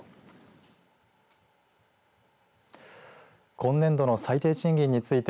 今年度の最低賃金について